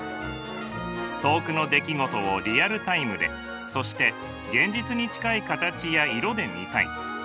遠くの出来事をリアルタイムでそして現実に近い形や色で見たい。